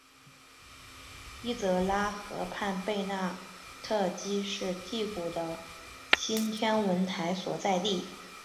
伊泽拉河畔贝纳特基是第谷的新天文台所在地。